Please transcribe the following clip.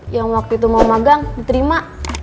yang waktu itu mau magang diterima